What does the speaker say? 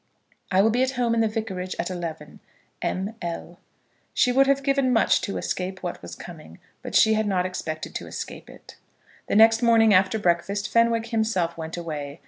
I will be at home at the vicarage at eleven. M. L. She would have given much to escape what was coming, but she had not expected to escape it. The next morning after breakfast Fenwick himself went away.